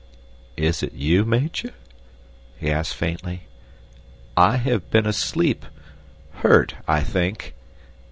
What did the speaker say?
"Is it you, Meitje?" he asked faintly. "I have been asleep, hurt, I think.